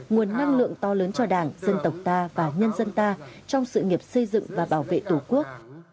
nguồn năng lượng to lớn cho đảng dân tộc ta và nhân dân ta trong sự nghiệp xây dựng và bảo vệ tổ quốc